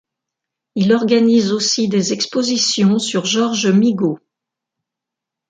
Il organise aussi des expositions sur Georges Migot.